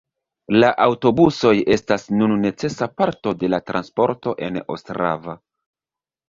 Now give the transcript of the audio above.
La aŭtobusoj estas nun necesa parto de la transporto en Ostrava.